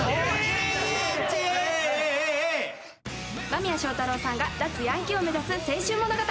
間宮祥太朗さんが脱ヤンキーを目指す青春物語。